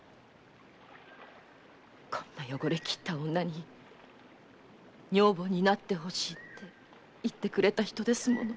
こんな汚れきった女に「女房になってほしい」と言ってくれた人ですもの。